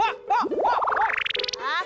pak pak pak pak